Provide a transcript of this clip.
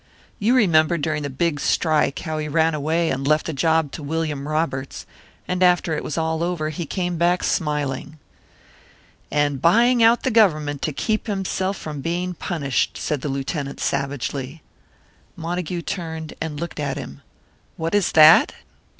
You remember during the big strike how he ran away and left the job to William Roberts; and after it was all over, he came back smiling." "And then buying out the Government to keep himself from being punished!" said the Lieutenant, savagely. Montague turned and looked at him. "What is that?"